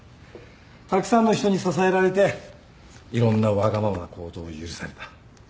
たくさんの人に支えられていろんなわがままな行動を許された。